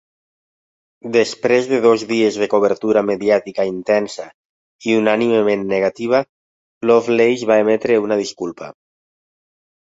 Després de dos dies de cobertura mediàtica intensa i unànimement negativa, Lovelace va emetre una disculpa.